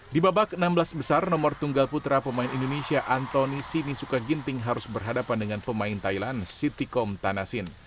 di babak enam belas besar nomor tunggal putra pemain indonesia antoni sinisuka ginting harus berhadapan dengan pemain thailand sitikom tanasin